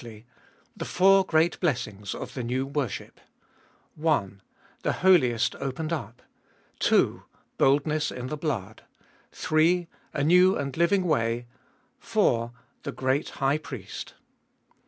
The four great Blessings of the new worship : 1. The Holiest opened up. 2. Boldness in the Blood. 3. A New and Living Way. 4. The Great High Priest.